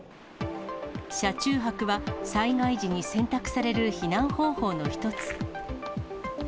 車中泊は災害時に選択される避難方法の一つ。